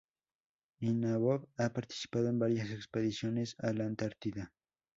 Ivanov ha participado en varias expediciones a la Antártida.